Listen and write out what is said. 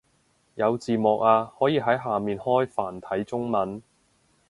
有字幕啊，可以喺下面開繁體中文